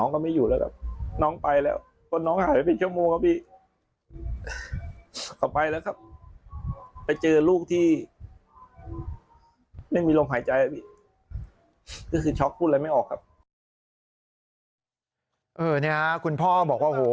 คุณพ่อบอกว่าโอ้โห